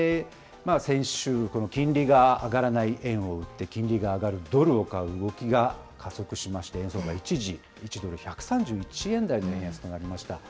先週、金利が上がらない円を売って、金利が上がるドルを買う動きが加速しまして、円相場、一時１ドル１３１円台の円安となりました。